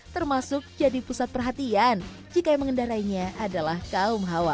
termasuk jadi pusat perhatian jika yang mengendarainya adalah kaum hawa